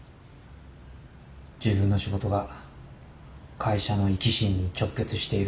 自分の仕事が会社の生き死にに直結している。